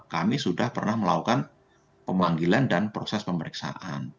kami sudah pernah melakukan pemanggilan dan proses pemeriksaan